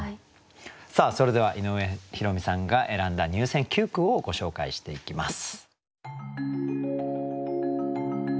さあそれでは井上弘美さんが選んだ入選九句をご紹介していきます。